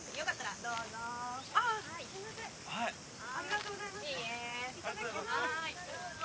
いただきます。